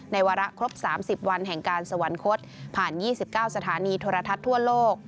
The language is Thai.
วาระครบ๓๐วันแห่งการสวรรคตผ่าน๒๙สถานีโทรทัศน์ทั่วโลก